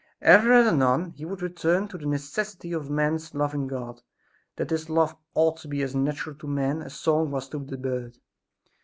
Ever and anon he would return to the necessity of man's loving God; that this love ought to be as natural to men as song was to the bird.